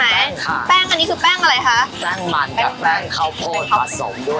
แป้งค่ะแป้งอันนี้คือแป้งอะไรคะแป้งมันกับแป้งข้าวโพดผสมด้วย